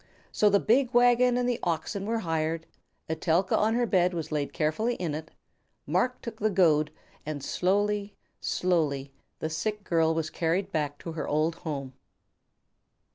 So the big wagon and the oxen were hired, Etelka on her bed was laid carefully in it, Marc took the goad, and slowly, slowly, the sick girl was carried back to her old home.